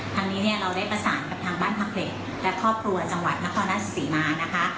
ทางนี้เนี่ยเราได้ประสานกับทางบ้านพักเด็กและครอบครัวจังหวัดนครราชศรีมานะคะ